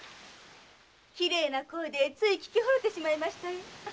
きれいな声でつい聴きほれてしまいましたよ。